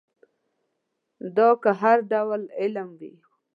دا که هر ډول علم وي.